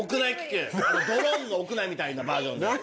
ドローンの屋内みたいなバージョン。